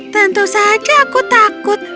tentu saja aku takut